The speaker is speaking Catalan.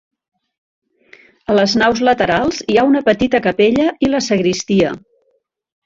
A les naus laterals hi ha una petita capella i la sagristia.